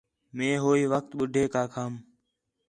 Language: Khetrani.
میک ہوئی وخت ٻُڈھیک آکھام